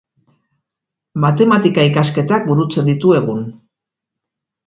Matematika ikasketak burutzen ditu egun.